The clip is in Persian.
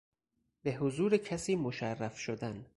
به حضور کسی مشرف شدن